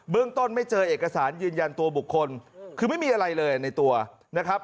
เรื่องต้นไม่เจอเอกสารยืนยันตัวบุคคลคือไม่มีอะไรเลยในตัวนะครับ